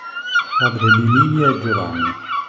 Padre di Livia e Giovanni.